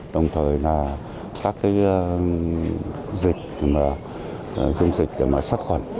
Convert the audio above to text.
đồng thời là các cái dịch dùng dịch để mà sát khuẩn